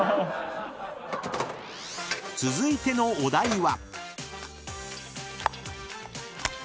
［続いてのお題は］